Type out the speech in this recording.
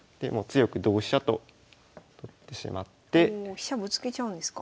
飛車ぶつけちゃうんですか？